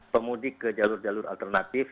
pemudik ke jalur jalur alternatif